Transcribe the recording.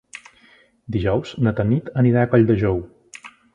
Dijous na Tanit anirà a Colldejou.